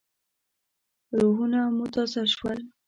روحونه مو تازه شول.